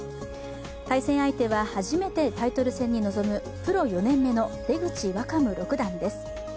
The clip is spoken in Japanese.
対戦相手は初めてタイトル戦に臨むプロ４年目の出口若武六段です